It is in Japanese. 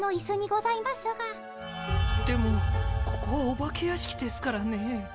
でもここはお化け屋敷ですからねえ。